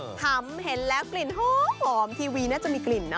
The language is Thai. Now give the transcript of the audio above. ผำเห็นแล้วกลิ่นหอมทีวีน่าจะมีกลิ่นนะ